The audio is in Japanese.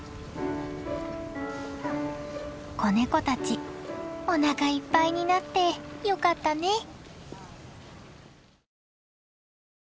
子ネコたちおなかいっぱいになってよかったね。